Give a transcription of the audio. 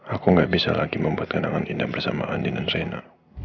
aku gak bisa lagi membuat kenangan indah bersama andin dan reina